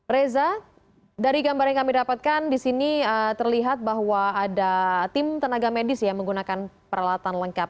reza dari gambar yang kami dapatkan di sini terlihat bahwa ada tim tenaga medis yang menggunakan peralatan lengkap